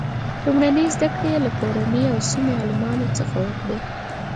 لومړنۍ زده کړې یې له کورنۍ او سیمې عالمانو څخه وکړې.